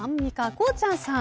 こうちゃんさん。